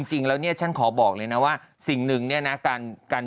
ก็ฉันถามแล้วมันเป็นคำตอบเดียวกัน